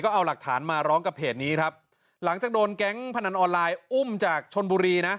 เอาหลักฐานมาร้องกับเพจนี้ครับหลังจากโดนแก๊งพนันออนไลน์อุ้มจากชนบุรีนะ